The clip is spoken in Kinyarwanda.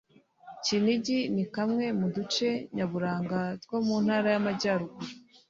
Kinigi ni kamwe mu duce nyaburanga two mu Ntara y’Amajyaruguru